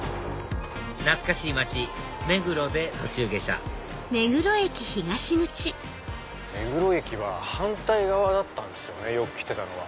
懐かしい街目黒で途中下車目黒駅は反対側だったんですよねよく来てたのは。